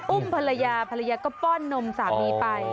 ภรรยาภรรยาก็ป้อนนมสามีไป